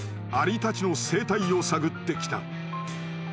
アリたちの生態を探ってきた。